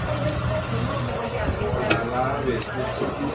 Varios días más tarde enfermó y falleció cuando solo contaba cuatro años de edad.